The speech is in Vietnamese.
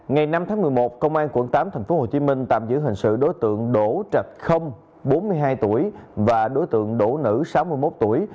ngày năm tháng một mươi một công an quận tám tp hcm tạm giữ hình sự đối tượng đỗ trạch khâm bốn mươi hai tuổi và đối tượng đỗ nữ sáu mươi một tuổi